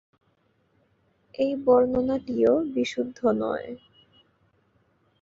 এই বর্ণনাটিও বিশুদ্ধ নয়।